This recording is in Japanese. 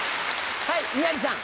はい宮治さん。